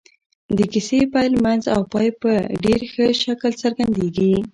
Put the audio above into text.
د کيسې پيل منځ او پای په ډېر ښه شکل څرګندېږي.